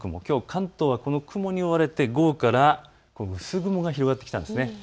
関東はこの雲に覆われて午後から薄雲が広がってきました。